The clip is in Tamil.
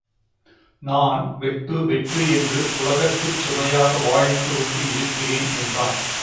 நான் வெட்டு வெட்டு என்று உலகத்துக்குச் சுமையாக வாழ்ந்து கொண்டு இருக்கிறேன் என்றான்.